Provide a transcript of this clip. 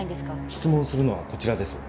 質問をするのはこちらです。